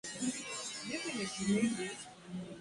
ishirini na tisa nchini Kenya tatu